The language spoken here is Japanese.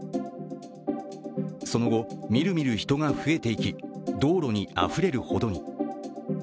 その後、みるみる人が増えていき、道路にあふれるほどに。